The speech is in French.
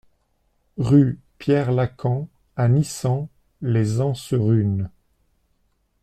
Rue Pierre Lacans à Nissan-lez-Enserune